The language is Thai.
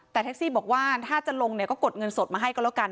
แต่แท็กซี่บอกว่าถ้าจะลงเนี่ยก็กดเงินสดมาให้ก็แล้วกัน